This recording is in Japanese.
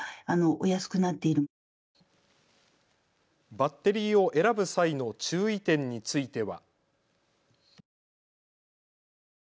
バッテリーを選ぶ際の注意点については。